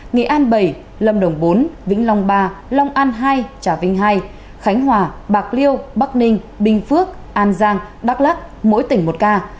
nghệ an bảy lâm đồng bốn vĩnh long ba long an hai trà vinh ii khánh hòa bạc liêu bắc ninh bình phước an giang đắk lắc mỗi tỉnh một ca